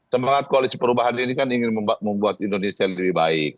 semangat koalisi perubahan ini kan ingin membuat indonesia lebih baik